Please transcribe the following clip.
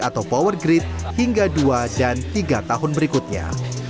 jaringan listrik atau power grid hingga dua dan tiga tahun berikutnya